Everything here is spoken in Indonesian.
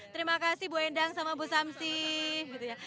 terima kasih bu endang sama bu samsih